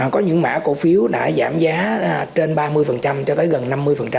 có những mã cổ phiếu đã giảm giá trên ba mươi cho tới gần năm mươi